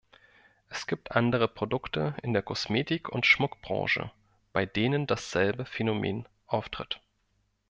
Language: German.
Es gibt andere Produkte in der Kosmetik- und Schmuckbranche, bei denen dasselbe Phänomen auftritt.